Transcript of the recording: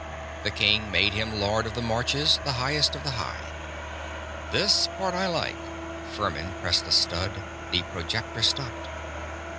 The king made him Lord of the Marches, the Highest of the High._ _"This part I like." Furmin pressed a stud; the projector stopped.